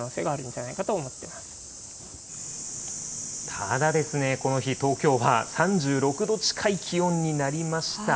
ただですね、この日、東京は３６度近い気温になりました。